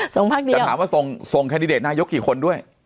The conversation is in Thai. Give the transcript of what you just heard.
พักเดียวจะถามว่าส่งแคนดิเดตนายกกี่คนด้วย